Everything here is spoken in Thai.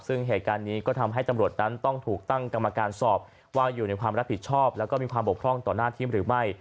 ซึ่งเหตุการณ์นี้ก็ทำให้ตำรวจนั้นต้องถูกตั้งกรรมการสอบว่าอยู่ในความรับผิดชอบแล้วก็มีความบกพร่องต่อหน้าทีมหรือไม่